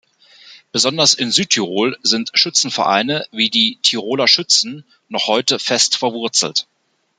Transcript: Besonders in Südtirol sind Schützenvereine wie die Tiroler Schützen noch heute fest verwurzelt.